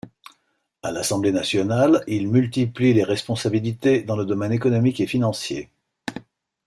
À l’Assemblée nationale, il multiplie les responsabilités dans le domaine économique et financier.